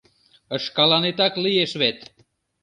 Ышкалнетак лиеш вет.